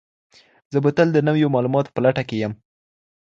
زه به تل د نويو معلوماتو په لټه کي یم.